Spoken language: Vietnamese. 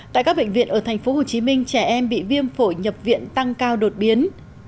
tại các bệnh viện ở tp hcm trẻ em bị viêm phổi nhập viện tăng cao đột biến